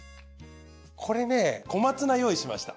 これね小松菜用意しました。